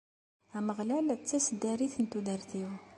Ameɣlal d taseddarit n tudert-iw.